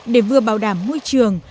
để vừa bảo đảm môi trường